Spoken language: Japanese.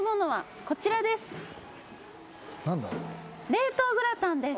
冷凍グラタンです。